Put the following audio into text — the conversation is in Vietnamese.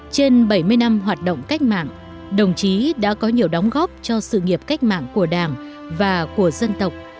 trên bảy mươi năm hoạt động cách mạng đồng chí đã có nhiều đóng góp cho sự nghiệp cách mạng của đảng và của dân tộc